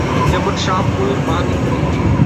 যেমন- সাপ, ময়ূর, বাঘ ইত্যাদি।